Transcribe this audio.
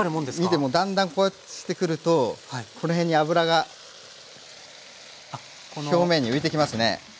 見てもだんだんこうしてくるとこの辺に油が表面に浮いてきますね。